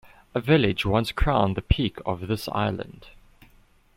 A village once crowned the peak of this island.